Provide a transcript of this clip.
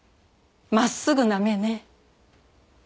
真っすぐな目ね。